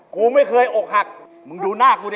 กูไม่เคยอกหักมึงดูหน้ากูดิ